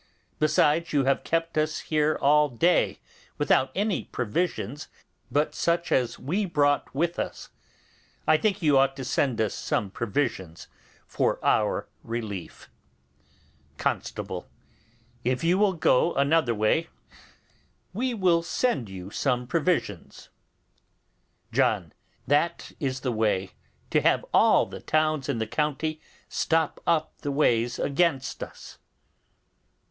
Besides, you have kept us here all day without any provisions but such as we brought with us. I think you ought to send us some provisions for our relief. They had but one horse among them. [Footnotes in the original.] Constable. If you will go another way we will send you some provisions. John. That is the way to have all the towns in the county stop up the ways against us.